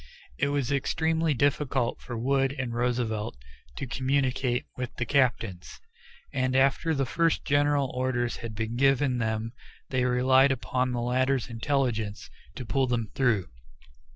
It was extremely difficult for Wood and Roosevelt to communicate with the captains, and after the first general orders had been given them they relied upon the latter's intelligence to pull them through.